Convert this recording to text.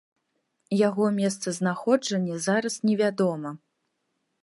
Яго месцазнаходжанне зараз невядома.